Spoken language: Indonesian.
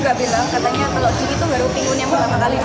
kalau begitu tidak ada pingwin yang beramah kali disini